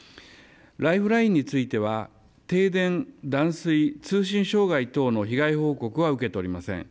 ライフラインについては停電、断水、通信障害等の被害報告は受けておりません。